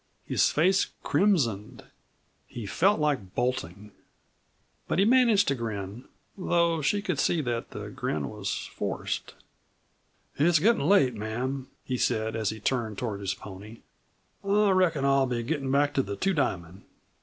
His face crimsoned. He felt like bolting. But he managed to grin, though she could see that the grin was forced. "It's gettin' late, ma'am," he said, as he turned toward his pony. "I reckon I'll be gettin' back to the Two Diamond."